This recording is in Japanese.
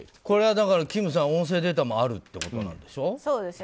これは金さん、音声データもあるということなんでしょ？